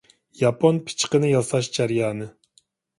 ياپون پىچىقىنى ياساش جەريانى.